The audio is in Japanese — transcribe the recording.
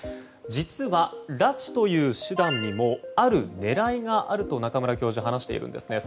実は拉致という手段にもある狙いがあると中村教授は話しているんです。